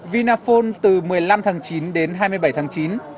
vinaphone từ một mươi năm tháng chín đến hai mươi bảy tháng chín